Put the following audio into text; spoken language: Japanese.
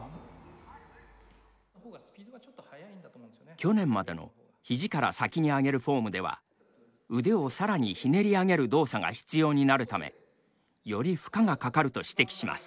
去年までのひじから先に上げるフォームでは腕を更にひねり上げる動作が必要になるためより負荷がかかると指摘します。